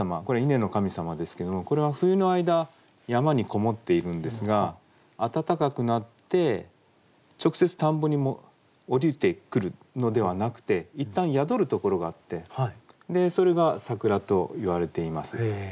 これは稲の神様ですけどもこれは冬の間山に籠もっているんですが暖かくなって直接田んぼに降りてくるのではなくていったん宿るところがあってそれが桜といわれています。